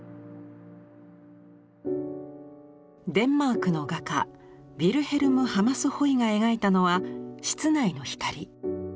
デンマークの画家ヴィルヘルム・ハマスホイが描いたのは室内の光。